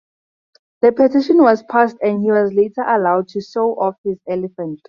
The petition was passed and he was later allowed to show off his elephant.